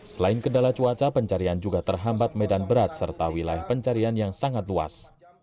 selain kendala cuaca pencarian juga terhambat medan berat serta wilayah pencarian yang sangat luas